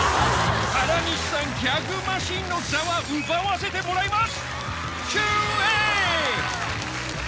原西さん、ギャグマシーンの座は奪わせてもらいます。